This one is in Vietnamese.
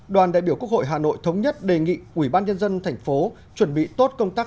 đoàn đại biểu quốc hội hà nội thống nhất đề nghị ủy ban nhân dân thành phố chuẩn bị tốt công tác